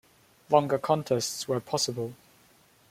Longer contests were possible.